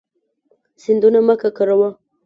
سیندونه مه ککړوه.